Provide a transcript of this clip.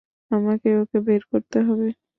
আমাকে ওকে বের করতে হবে।